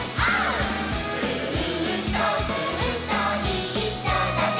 「ずーっとずっといっしょだね」